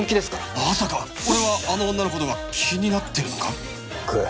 まさか俺はあの女の事が気になってるのか？食え。